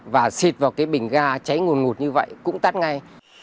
và xịt vào cái bình ga cháy nguồn ngụt như vậy cũng tắt ngay